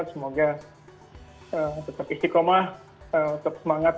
semoga tetap istiqomah tetap semangat